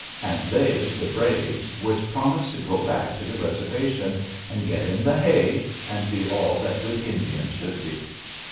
And they, the braves, would promise to go back to the Reservation and get in the hay, and be all that good Indians should be.